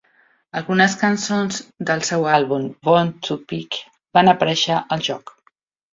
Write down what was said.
Algunes cançons del seu àlbum, "Bone to Pick", van aparèixer al joc.